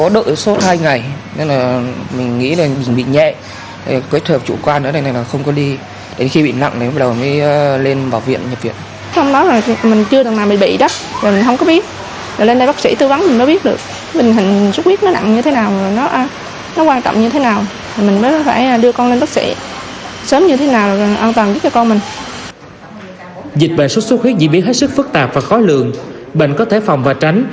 dịch bệnh sốt sốt huyết diễn biến hết sức phức tạp và khó lượng bệnh có thể phòng và tránh